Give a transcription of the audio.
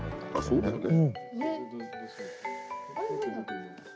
そうだよね。